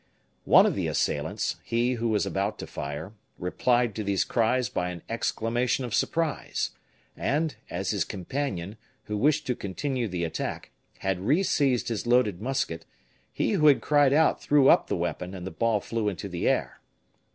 One of the assailants he who was about to fire replied to these cries by an exclamation of surprise; and, as his companion, who wished to continue the attack, had re seized his loaded musket, he who had cried out threw up the weapon, and the ball flew into the air.